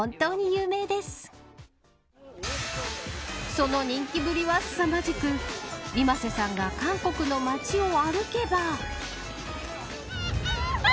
その人気ぶりはすさまじくｉｍａｓｅさんが韓国の街を歩けば。